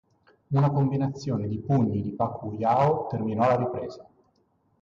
Una combinazione di pugni di Pacquiao terminò la ripresa.